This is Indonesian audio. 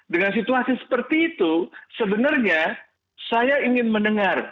dengan situasi seperti itu sebenarnya saya ingin mendengar